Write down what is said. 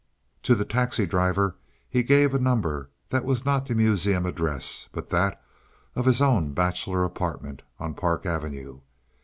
To the taxi driver he gave a number that was not the Museum address, but that of his own bachelor apartment on Park Avenue.